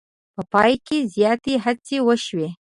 په پای کې زیاتې هڅې وشوې.